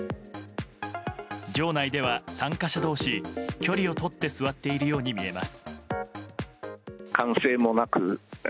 場内では、参加者同士距離をとって座っているように見えます。